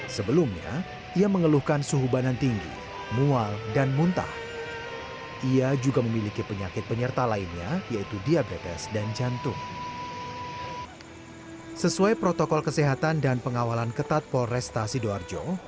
sesuai protokol kesehatan dan pengawalan ketat polresta sidoarjo